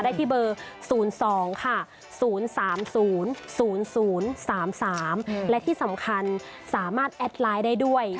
ได้ที่เบอร์๐๒ค่ะ๐๓๐๐๓๓และที่สำคัญสามารถแอดไลน์ได้ด้วย